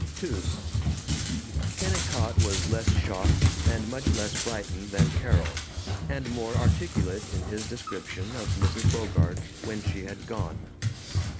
II Kennicott was less shocked and much less frightened than Carol, and more articulate in his description of Mrs. Bogart, when she had gone.